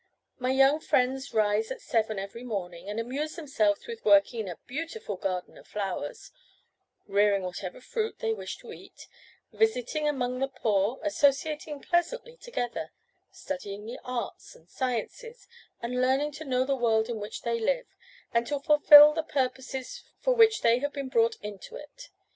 My young friends rise at seven every morning, and amuse themselves with working in a beautiful garden of flowers, rearing whatever fruit they wish to eat, visiting among the poor, associating pleasantly together, studying the arts and sciences, and learning to know the world in which they live, and to fulfil the purposes for which they have been brought into it.